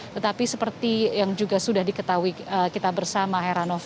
tetapi seperti yang juga sudah diketahui kita bersama heranov